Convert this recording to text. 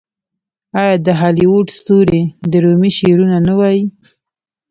آیا د هالیووډ ستوري د رومي شعرونه نه وايي؟